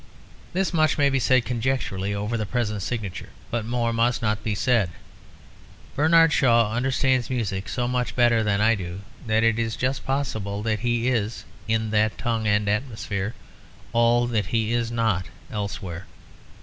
This much may be said conjecturally over the present signature; but more must not be said. Bernard Shaw understands music so much better than I do that it is just possible that he is, in that tongue and atmosphere, all that he is not elsewhere.